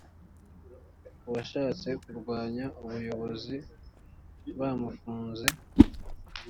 uwashatse kurwanya ubuyobozi bamufunze